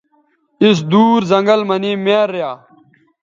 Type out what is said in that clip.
اِس دُور زنگل مہ نے میار ریا